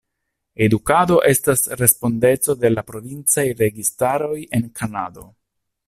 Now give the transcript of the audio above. Edukado estas respondeco de la provincaj registaroj en Kanado.